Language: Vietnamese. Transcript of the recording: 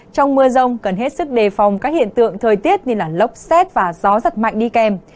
trong mưa rông cần hết sức đề phòng các hiện tượng thời tiết như lốc xét và gió giật mạnh đi kèm